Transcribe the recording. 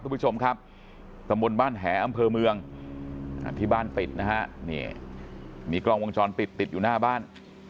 คุณผู้ชมครับตำบลบ้านแหอำเภอเมืองที่บ้านปิดนะฮะนี่มีกล้องวงจรปิดติดอยู่หน้าบ้าน